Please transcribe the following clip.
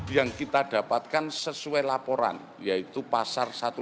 yang kita dapatkan sesuai laporan yaitu pasar satu ratus lima puluh enam a